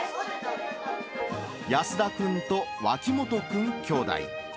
安田君と脇本君兄弟。